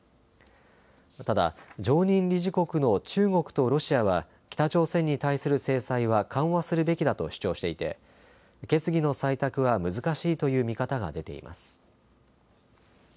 ただ常任理事国の中国とロシアは北朝鮮に対する制裁は緩和するべきだと主張していて決議の採択は難しいという見方が出ています。